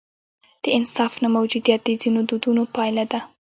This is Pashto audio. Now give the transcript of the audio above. د انصاف نه موجودیت د ځینو دودونو پایله ده.